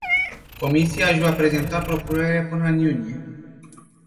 Comisia își va prezenta propunerile până în iunie.